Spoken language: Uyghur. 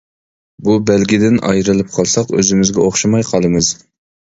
بۇ بەلگىدىن ئايرىلىپ قالساق ئۆزىمىزگە ئوخشىماي قالىمىز.